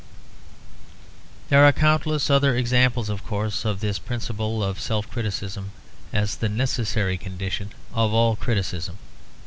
There are countless other examples of course of this principle of self criticism, as the necessary condition of all criticism.